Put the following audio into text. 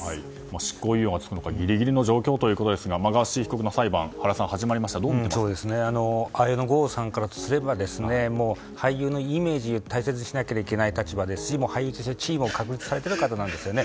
執行猶予がつくのかギリギリの状況ということですがガーシー被告の裁判が始まりましたが、原さん綾野剛さんからすれば俳優のイメージを大切にしなければいけない立場ですし、俳優としての地位を確立されている方ですよね。